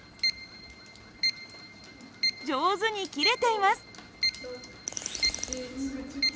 上手に切れています。